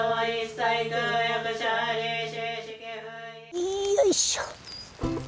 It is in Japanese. いよいしょ。